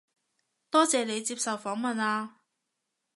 多謝你接受訪問啊